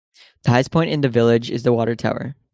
The highest point in the village is the water tower.